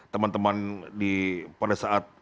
teman teman pada saat